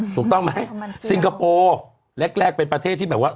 ถูกต้องไหมซิงคโปร์แรกเป็นประเทศที่แบบว่า